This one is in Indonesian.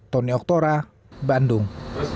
tony oktora bandung